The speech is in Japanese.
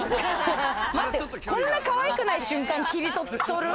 こんなかわいくない瞬間、切り取る？